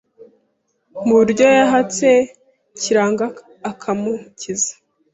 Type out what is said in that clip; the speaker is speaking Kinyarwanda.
mu buryo yahatse Kiranga akamukiza;